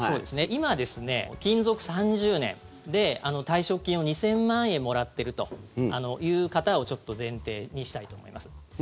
今、勤続３０年で退職金を２０００万円もらってるという方を前提にしたいと思います。